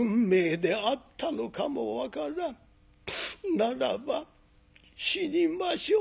ならば死にましょう。